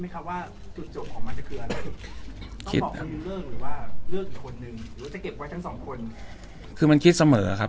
ไหมคะว่าจุดจบของมันจะคืออะไรคือมันคิดเสมอครับ